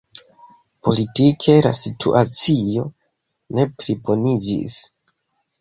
Politike la situacio ne pliboniĝis.